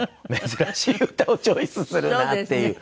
珍しい歌をチョイスするなっていう。